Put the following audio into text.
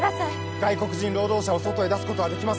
外国人労働者を外へ出すことはできません